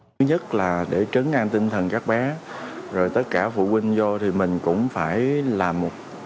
thứ nhất là để trấn an tinh thần các bé rồi tất cả phụ huynh vô